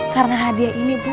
karena hadiah ini bu